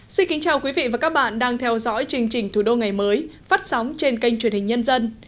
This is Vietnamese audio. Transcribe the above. xin kính chào quý vị và các bạn đang theo dõi chương trình thủ đô ngày mới phát sóng trên kênh truyền hình nhân dân